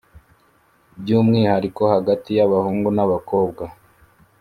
by’umwihariko, hagati y’abahungu n’abakobwa